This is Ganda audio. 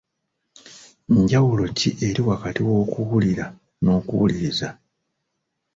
Njawulo ki eriwo wakati w’okuwulira n’okuwuliriza